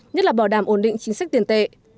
nhất là bảo đảm ổn định chính sách tiền tệ